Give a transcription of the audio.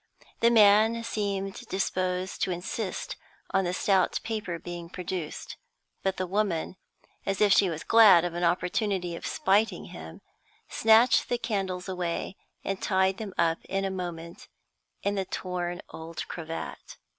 The man seemed disposed to insist on the stout paper being produced; but the woman, as if she was glad of an opportunity of spiting him, snatched the candles away, and tied them up in a moment in the torn old cravat.